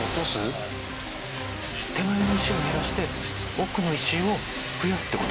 手前の石を減らして奥の石を増やすって事？